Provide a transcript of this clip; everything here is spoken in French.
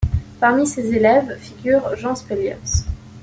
Parmi ses élèves figure Jean Speliers.